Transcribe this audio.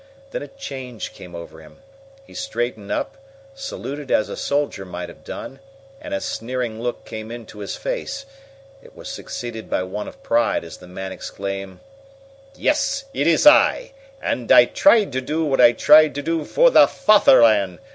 Then a change came over him. He straightened up, saluted as a soldier might have done, and a sneering look came into his face. It was succeeded by one of pride as the man exclaimed: "Yes, it is I! And I tried to do what I tried to do for the Fatherland!